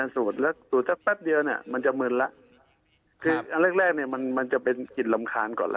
สูดแป๊บเดียวเนี่ยมันจะมืนละคืออันแรกเนี่ยมันจะเป็นกลิ่นรำคาญก่อนละ